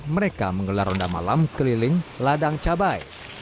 mereka menggelar ronda malam keliling ladang cabai